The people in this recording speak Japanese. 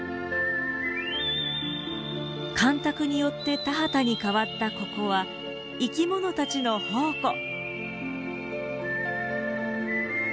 干拓によって田畑に変わったここは生きものたちの宝庫。